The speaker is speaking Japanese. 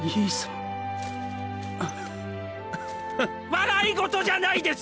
笑い事じゃないです！